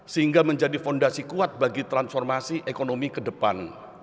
sehingga menjadi fondasi kuat bagi transformasi ekonomi ke depan